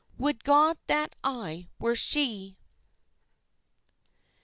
Would God that I were she!